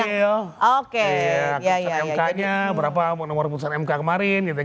hasil keputusan mk nya berapa nomor keputusan mk kemarin gitu kan